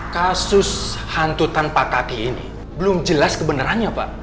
kasus hantu tanpa kaki ini belum jelas kebenarannya pak